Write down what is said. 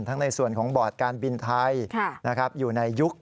ในส่วนของบอร์ดการบินไทยอยู่ในยุค